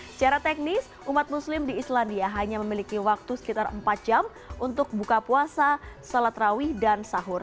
secara teknis umat muslim di islandia hanya memiliki waktu sekitar empat jam untuk buka puasa salat rawih dan sahur